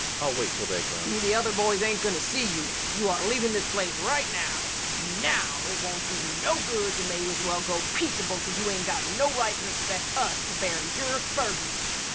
I'll wait till they come. LUKE. The other boys ain't goin' to see you. You're a leavin' this yer place right now now! It won't do no good. You may as well go peaceable; ye ain't got no right to expect us to bear yer burdens.